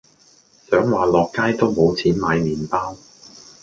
想話落街都冇錢買麵包